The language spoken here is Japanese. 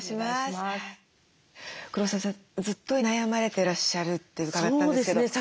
ずっと悩まれてらっしゃるって伺ったんですけど。